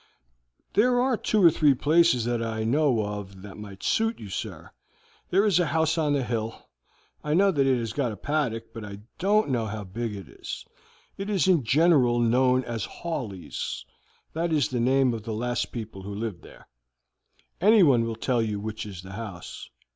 "There are two or three places that I know of that might suit you, sir. There is a house on the hill. I know that it has got a paddock, but I don't know how big it is; it is in general known as Hawleys that is the name of the last people who lived there. Anyone will tell you which is the house.